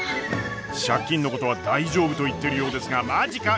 借金のことは大丈夫と言ってるようですがマジか？